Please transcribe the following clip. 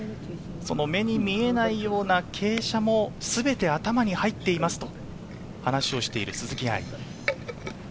目に見えないような傾斜も全て頭に入っていますと話をしている鈴木愛。